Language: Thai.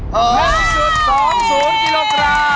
หนึ่งจุดสองศูนย์กิโลกรัม